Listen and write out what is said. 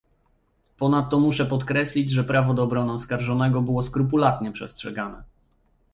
Ponadto, muszę podkreślić, że prawo do obrony oskarżonego było skrupulatnie przestrzegane